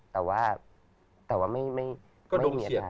แต่ว่าไม่มีอาจารย์